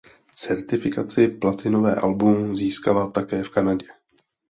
Certifikaci platinové album získala také v Kanadě.